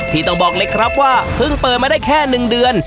ต้องบอกเลยครับว่าเพิ่งเปิดมาได้แค่๑เดือน